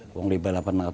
kurang lebih delapan ratus